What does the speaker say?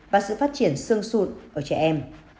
và sự phát triển sương sụn của trẻ em